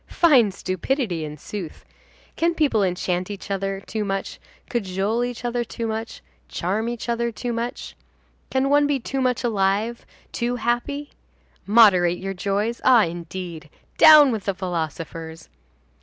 Fine stupidity, in sooth! Can people enchant each other too much, cajole each other too much, charm each other too much? Can one be too much alive, too happy? Moderate your joys. Ah, indeed! Down with the philosophers!